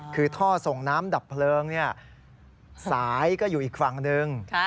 คือท่อส่งน้ำดับเพลิงสายก็อยู่อีกฝั่งหนึ่ง